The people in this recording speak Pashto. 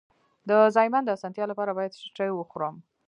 د زایمان د اسانتیا لپاره باید څه شی وخورم؟